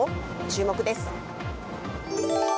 注目です。